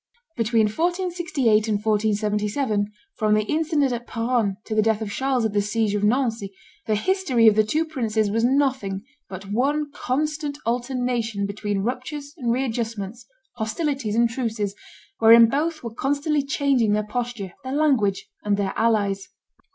Between 1468 and 1477, from the incident at Peronne to the death of Charles at the siege of Nancy, the history of the two princes was nothing but one constant alternation between ruptures and re adjustments, hostilities and truces, wherein both were constantly changing their posture, their language, and their allies.